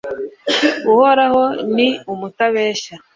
uhoraho ni mutabeshya